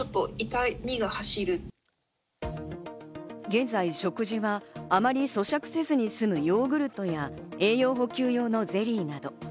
現在、食事はあまり咀嚼せずに済むヨーグルトや栄養補給用のゼリーなど。